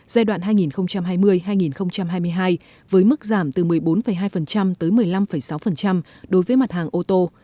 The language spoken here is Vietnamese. giai đoạn hai nghìn hai mươi hai nghìn hai mươi hai với mức giảm từ một mươi bốn hai tới một mươi năm sáu đối với mặt hàng ô tô